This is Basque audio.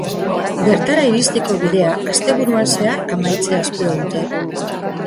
Bertara iristeko bidea asteburuan zehar amaitzea espero dute.